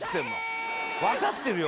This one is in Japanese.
分かってるよ